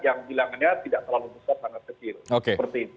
yang bilangannya tidak terlalu besar sangat kecil